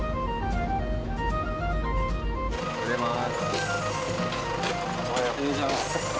おはようございます。